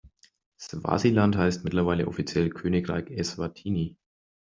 Swasiland heißt mittlerweile offiziell Königreich Eswatini.